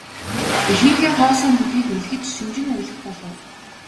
Эхийнхээ хоосон хөхийг үлгэж шөнөжин уйлах болов.